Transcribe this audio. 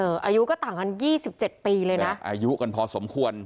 อายุก็ต่างกันยี่สิบเจ็ดปีเลยนะอายุกันพอสมควร